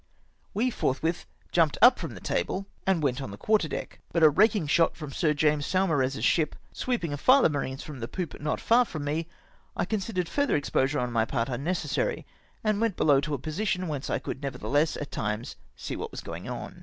We forthwith jumped up from table, and Avent on the quarter deck, but a rakuig shot fi'om Sir James Saumarez's ship sweeping a file of marines from the poop, not far fi^om me, I considered further exposure on my part unnecessary, and went below to a position whence I could nevertheless, at times, see what was going on.